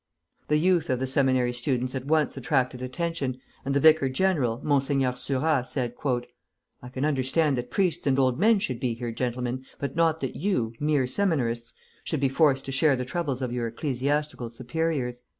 The youth of the Seminary students at once attracted attention, and the Vicar General, Monseigneur Surat, said: "I can understand that priests and old men should be here, gentlemen, but not that you, mere Seminarists, should be forced to share the troubles of your ecclesiastical superiors."